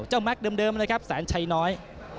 เจ้าแมคเดิมนะครับแสนชัยน้อย